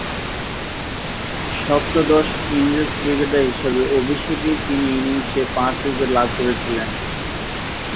সপ্তদশ ইংরেজ ক্রিকেটার হিসেবে অভিষেকেই তিনি ইনিংসে পাঁচ উইকেট লাভ করেছিলেন।